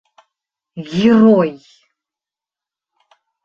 — Герой!